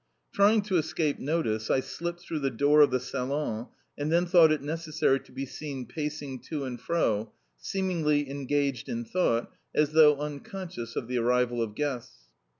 Trying to escape notice, I slipped through the door of the salon, and then thought it necessary to be seen pacing to and fro, seemingly engaged in thought, as though unconscious of the arrival of guests.